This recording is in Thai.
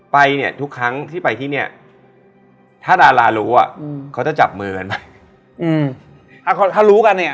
ไปเนี่ยทุกครั้งที่ไปที่เนี่ยถ้าดารารู้อะเขาจะจับมือกันไป